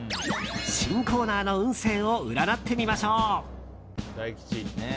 新コーナーの運勢を占ってみましょう。